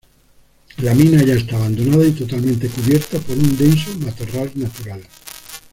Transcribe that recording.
La mina ya está abandonada y totalmente cubierta por un denso matorral natural.